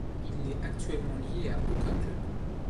Il n'est actuellement lié à aucun club.